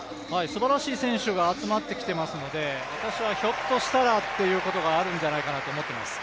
すばらしい選手が集まってきていますので、ひょっとしたらということがあるんじゃないかと思っています。